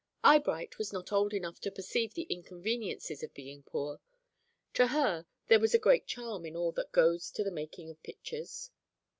Eyebright was not old enough to perceive the inconveniences of being poor. To her there was a great charm in all that goes to the making of pictures.